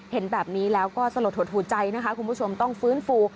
เห็นแบบนี้แล้วก็สลดหดหูใจนะคะคุณผู้ชมต้องฟื้นฟู